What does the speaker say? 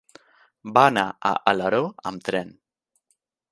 Va anar a Alaró amb tren.